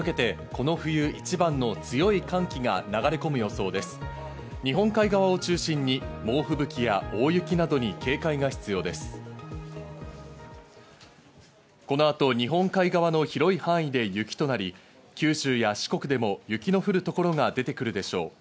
この後、日本海側の広い範囲で雪となり、九州や四国でも雪の降る所が出てくるでしょう。